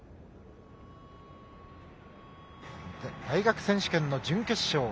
大学選手権の準決勝。